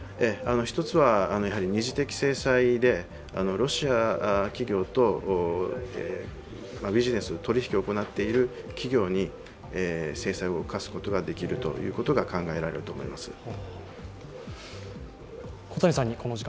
一つは二次的制裁でロシアとビジネス、取り引きを行っている企業に制裁を科すことができるということが考えられると思います。